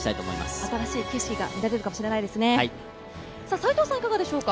新しい景色が見られるかもしれませんね。